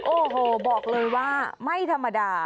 โอ้โหบอกเลยว่าไม่ธรรมดา